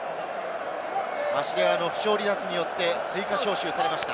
マシレワの負傷離脱によって追加招集されました。